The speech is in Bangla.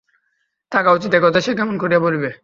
থাকা উচিত, এ কথা সে কেমন করিয়া বলিবে।